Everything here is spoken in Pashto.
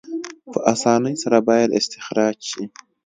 په اسانۍ سره باید استخراج شي.